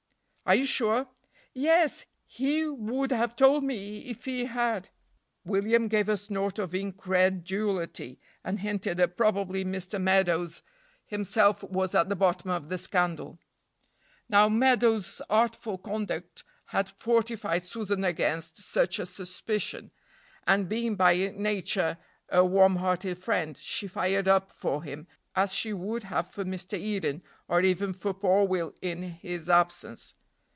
"Are you sure?" "Yes! he would have told me if he had." William gave a snort of incredulity, and hinted that probably Mr. Meadows himself was at the bottom of the scandal. Now Meadows' artful conduct had fortified Susan against such a suspicion, and, being by nature a warm hearted friend, she fired up for him, as she would have for Mr. Eden, or even for poor Will in his absence.